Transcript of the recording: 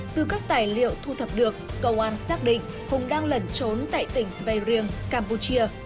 từ các tài liệu thu thập được công an xác định hùng đang lẩn trốn tại tỉnh sveiring campuchia